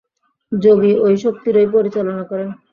যোগী ঐ শক্তিরই পরিচালনা করেন।